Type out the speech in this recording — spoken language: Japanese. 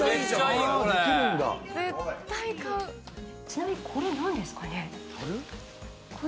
ちなみにこれ何ですかね？